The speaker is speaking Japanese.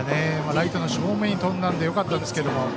ライトの正面に飛んだのでよかったんですけれども。